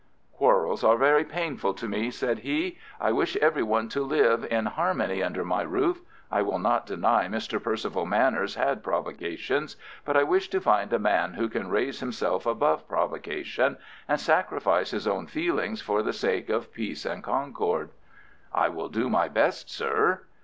"Quarrels are very painful to me," said he. "I wish every one to live in harmony under my roof. I will not deny Mr. Percival Manners had provocation, but I wish to find a man who can raise himself above provocation, and sacrifice his own feelings for the sake of peace and concord." "I will do my best, sir."